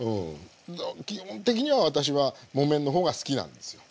基本的には私は木綿の方が好きなんですよ。